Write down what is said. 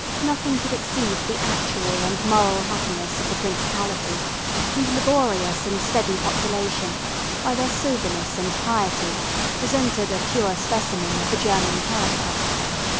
Nothing could exceed the actual and moral happiness of the principality, whose laborious and steady population, by their soberness and piety, presented a pure specimen of the German character.